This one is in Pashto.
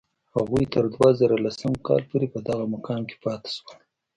هغوی تر دوه زره لسم کال پورې په دغه مقام کې پاتې شول.